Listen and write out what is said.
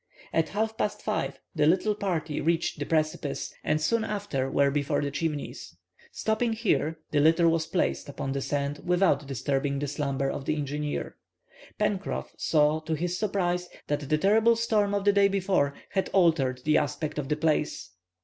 At half past 5 the little party reached the precipice, and soon after, were before the Chimneys. Stopping here, the litter was placed upon the sand without disturbing the slumber of the engineer. Pencroff saw, to his surprise, that the terrible storm of the day before had altered the aspect of the place.